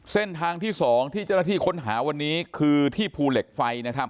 เส้นทางที่๒ที่เจ้าหน้าที่ค้นหาวันนี้คือที่ภูเหล็กไฟนะครับ